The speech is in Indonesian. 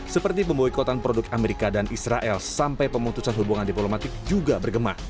seperti pemboikotan produk amerika dan israel sampai pemutusan hubungan diplomatik juga bergema